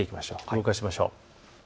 動かしましょう。